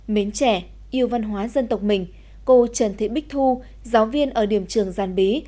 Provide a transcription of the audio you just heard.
mến trẻ yêu văn hóa dân tộc mình cô trần thị bích thu giáo viên ở điểm trường giàn bí